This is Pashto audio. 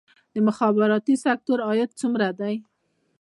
د مخابراتي سکتور عاید څومره دی؟